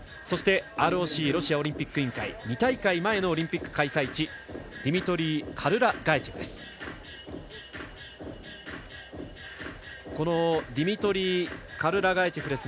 そして、ＲＯＣ＝ロシアオリンピック委員会２大会前のオリンピック開催地ディミトリー・カルラガチェフ。